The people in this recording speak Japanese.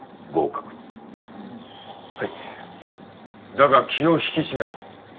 だが気を引き締めろ。